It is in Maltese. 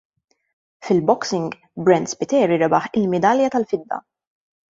Fil-Boxing, Brent Spiteri rebaħ il-midalja tal-fidda.